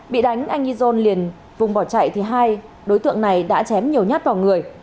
bị đánh anh izon liền vùng bỏ chạy thì hai đối tượng này đã chém nhiều nhát vào người